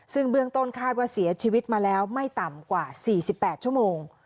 ซึ่งเบื้องต้นคาดว่าเสียชีวิตมาแล้วไม่ต่ำกว่า๔๘ชั่วโมง